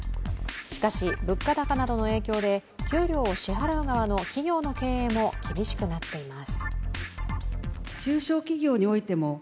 しかし、物価高などの影響で給料を支払う側の企業の経営も厳しくなっています。